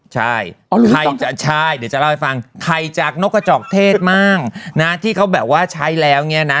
ใช่เดี๋ยวจะเล่าให้ฟังไข่จากนกจอกเทศที่เขาแบบว่าใช้แล้วเนี่ยนะ